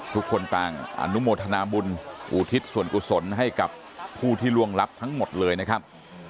ทุกคนต่างอนุโมทนาบุญอุทิศส่วนกุศลให้กับผู้ที่ล่วงลับทั้งหมดเลยนะครับ